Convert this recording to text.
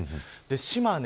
島根